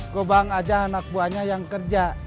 gobang aja anak buahnya yang kerja